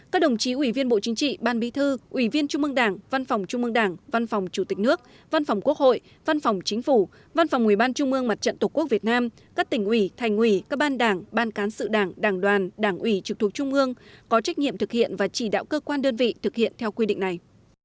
các đồng chí ủy viên bộ chính trị ban bí thư ủy viên trung mương đảng văn phòng trung mương đảng văn phòng chủ tịch nước văn phòng quốc hội văn phòng chính phủ văn phòng ubnd các tỉnh ủy thành ủy các ban đảng ban cán sự đảng đảng đoàn đảng ủy trực thuộc trung mương có trách nhiệm thực hiện và chỉ đạo cơ quan đơn vị thực hiện theo quy định này